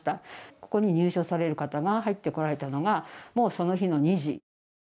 ここに入所される方が入ってきたのがその日の２時。